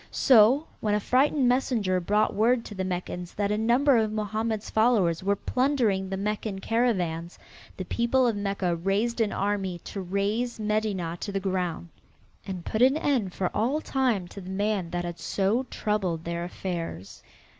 So, when a frightened messenger brought word to the Meccans that a number of Mohammed's followers were plundering the Meccan caravans, the people of Mecca raised an army to raze Medinah to the ground and put an end for all time to the man that had so troubled their affairs.